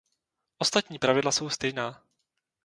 Ostatní pravidla jsou stejná.